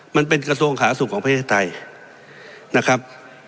มันเป็นกระทรวงขาสุขของประเทศไทยนะครับ